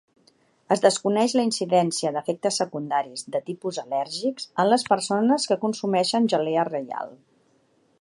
Es desconeix la incidència d'efectes secundaris de tipus al·lèrgics en les persones que consumeixen gelea reial.